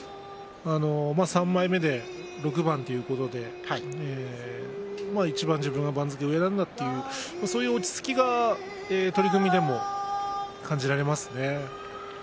３枚目で６番ということでいちばん自分が番付が上なんだというそういう落ち着きが取組でも感じられますね。